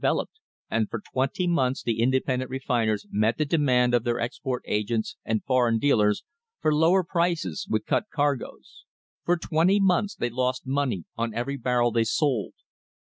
40 THE HISTORY OF THE STANDARD OIL COMPANY oped, and for twenty months the independent refiners met the demand of their export agents and foreign dealers for lower prices with cut cargoes. For twenty months they lost money on every barrel they sold.